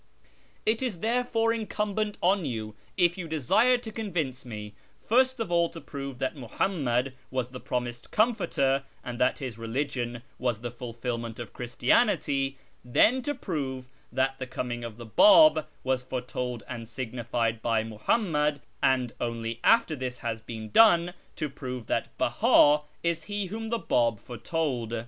It is therefore incumbent on you, if you desire to convince me, first of all to prove that Muhammad was the promised Comforter, and that his religion was the fulfilment of Christianity ; then to prove that the coming of the Bab was foretold and signified by Muhammad ; and only after this has been done, to prove that Beha is he whom the Bab foretold.